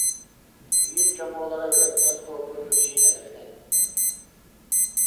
биир чобуолара үлэттэн куоппут биричиинэлэрин эттэ